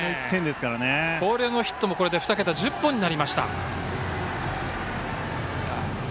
広陵のヒットもこれで２桁、１０本になりました。